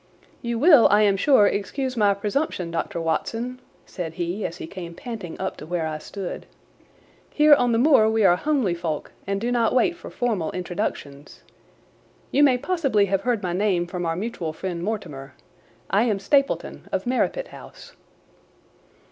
"You will, I am sure, excuse my presumption, Dr. Watson," said he as he came panting up to where I stood. "Here on the moor we are homely folk and do not wait for formal introductions. You may possibly have heard my name from our mutual friend, Mortimer. I am Stapleton, of Merripit House."